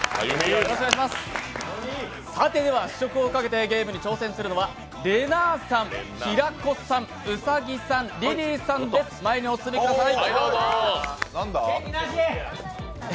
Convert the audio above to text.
さて、試食をかけてゲームに挑戦するのは、れなぁさん平子さん、兎さん、リリーさんです、前にお進みください。